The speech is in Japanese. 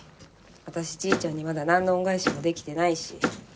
私じいちゃんにまだなんの恩返しもできてないし。